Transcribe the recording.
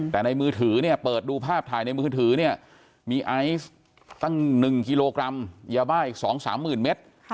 แต่ในมือถือเปิดดูภาพถ่ายในมือถือมีไอตั้ง๑กิโลกรัมยาว่าอีก๒๓หมื่นเมตร